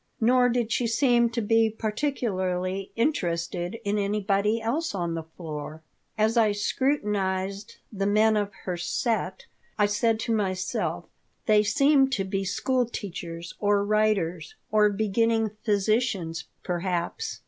Nor did she seem to be particularly interested in anybody else on the floor. As I scrutinized the men of her "set" I said to myself: "They seem to be school teachers or writers, or beginning physicians, perhaps.